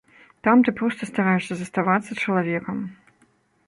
Там ты проста стараешся заставацца чалавекам.